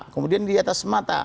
kemudian di atas mata